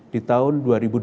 di tahun dua ribu dua puluh